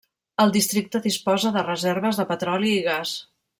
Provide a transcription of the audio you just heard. El districte disposa de reserves de petroli i gas.